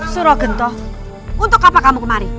sura gento untuk apa kamu kemari